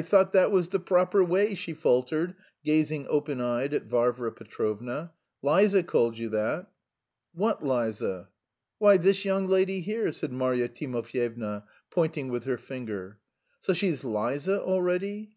thought that was the proper way," she faltered, gazing open eyed at Varvara Petrovna. "Liza called you that." "What Liza?" "Why, this young lady here," said Marya Timofyevna, pointing with her finger. "So she's Liza already?"